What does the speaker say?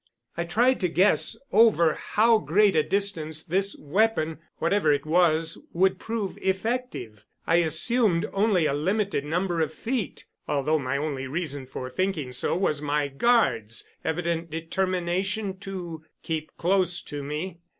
I tried to guess over how great a distance this weapon, whatever it was, would prove effective. I assumed only a limited number of feet, although my only reason for thinking so was my guard's evident determination to keep close to me.